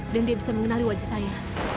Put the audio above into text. dan dia bisa mengenali wajah saya